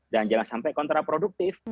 dan jangan sampai kontraproduktif